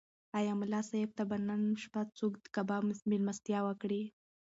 ایا ملا صاحب ته به نن شپه څوک کباب مېلمستیا وکړي؟